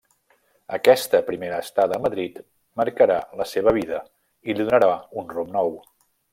Aquesta primera estada a Madrid marcarà la seva vida i li donarà un rumb nou.